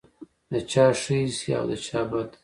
د چا ښه ایسې او د چا بد.